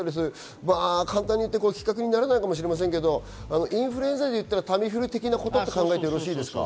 簡単に言って比較にならないかもしれませんけど、インフルエンザで行ったらタミフル的なことと考えてよろしいですか？